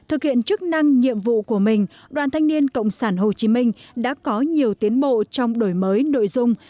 thực hiện chức năng nhiệm vụ của mình đoàn thanh niên cộng sản hồ chí minh đã có nhiều tiến bộ trong đổi mới nội dung